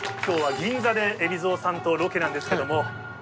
今日は銀座で海老蔵さんとロケなんですけども。